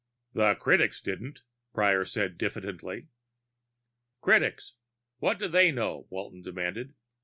"The critics didn't," Prior said diffidently. "Critics! What do they know?" Walton demanded.